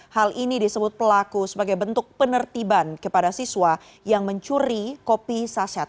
hal ini disebut pelaku sebagai bentuk penertiban kepada siswa yang mencuri kopi saset